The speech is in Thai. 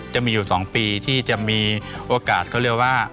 จะมีอยู่๒ปีที่จะมีโอกาสเขาเรียกว่า